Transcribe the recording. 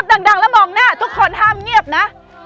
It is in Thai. เก่งมากค่ะ